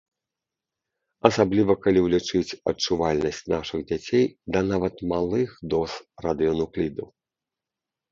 Асабліва, калі ўлічыць адчувальнасць нашых дзяцей да нават малых доз радыенуклідаў.